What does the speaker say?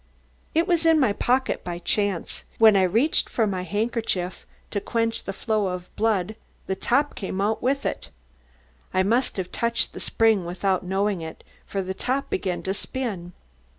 "It was in my pocket by chance. When I reached for my handkerchief to quench the flow of blood the top came out with it. I must have touched the spring without knowing it, for the top began to spin.